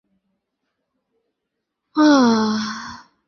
আমাকে আর উকিলবাড়ি হাঁটাহাঁটি করিতে হয় নাই।